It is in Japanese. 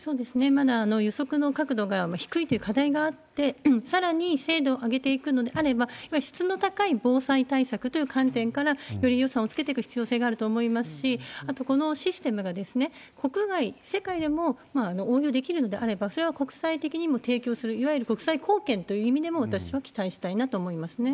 まだ予測の角度が低いという課題があって、さらに精度を上げていくのであれば、やはり質の高い防災対策という観点からより予算をつけていく必要性があると思いますし、あとこのシステムが国外、世界でも応用できるのであれば、それは国際的にも提供する、いわゆる国際貢献という意味でも、私は期待したいなと思いますね。